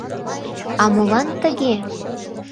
А молан тыге?